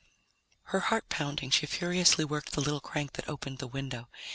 Her heart pounding, she furiously worked the little crank that opened the window.